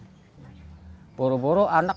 jika anaknya mengantuk